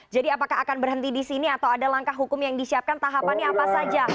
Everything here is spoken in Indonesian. jadi apakah akan berhenti di sini atau ada langkah hukum yang disiapkan tahapannya apa saja